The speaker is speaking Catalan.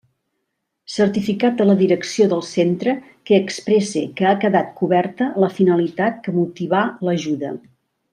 Certificat de la direcció del centre que expresse que ha quedat coberta la finalitat que motivà l'ajuda.